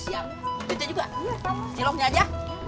cucu juga ciloknya aja